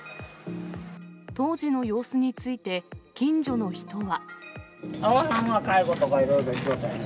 当時の様子について、近所の人は。